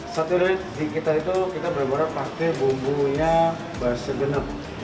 sate lilit di kita itu kita berbara pakai bumbunya basa genep